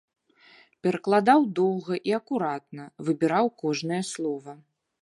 Перакладаў доўга і акуратна, выбіраў кожнае слова.